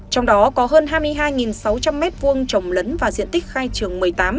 trong đó có hơn hai mươi hai sáu trăm linh m hai trồng lấn và diện tích khai trường một mươi tám